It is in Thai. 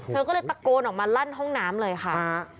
เธอก็เลยตะโกนออกมาลั่นห้องน้ำเลยค่ะ